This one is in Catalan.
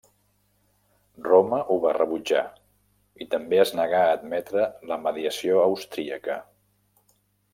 Roma ho va rebutjar, i també es negà a admetre la mediació austríaca.